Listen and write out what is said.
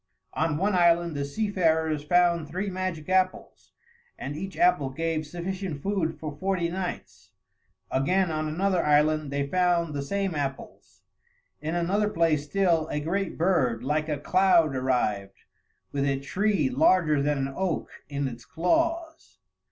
On one island the seafarers found three magic apples, and each apple gave sufficient food for forty nights; again, on another island, they found the same apples. In another place still, a great bird like a cloud arrived, with a tree larger than an oak in its claws.